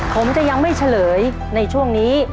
ผมจะยังไม่เฉลยในช่วงนี้